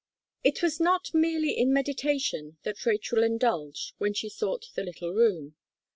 It was not merely in meditation that Rachel indulged, when she sought the little room.